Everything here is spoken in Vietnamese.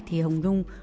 thì hồng dung